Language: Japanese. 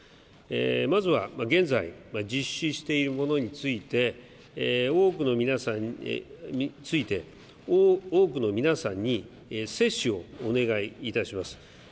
まずは現在、実施しているものについて多くの皆さんに接種をお願いいたします。